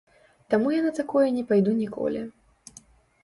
Таму я на такое не пайду ніколі.